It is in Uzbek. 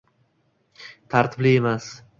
tartibli emas